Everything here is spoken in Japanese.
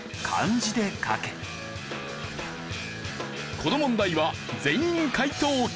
この問題は全員解答クイズ。